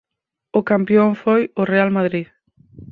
O campión foi o Real Madrid.